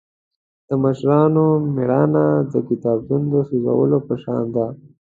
د مشرانو مړینه د کتابتون د سوځولو په شان ده.